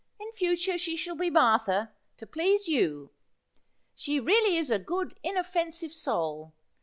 In future she shall be Martha, to please you. She really is a good inoffensive soul.